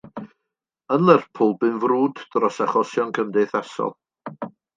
Yn Lerpwl bu'n frwd dros achosion cymdeithasol.